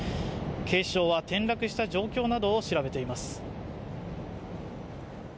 警視庁は転落した状況などを調べています。